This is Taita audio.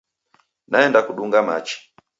Naenda kudunga machi.